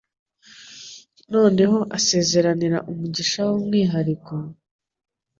Noneho asezeranira umugisha w'umwihariko,